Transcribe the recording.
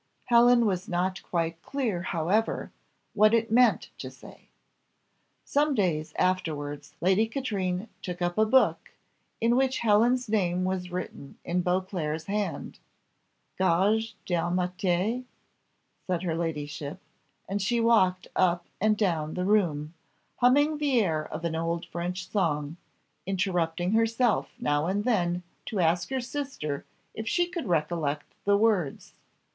Helen was not quite clear, however, what it meant to say. Some days afterwards Lady Katrine took up a book, in which Helen's name was written in Beauclerc's hand. "Gage d'amitié?" said her ladyship; and she walked up and down the room, humming the air of an old French song; interrupting herself now and then to ask her sister if she could recollect the words.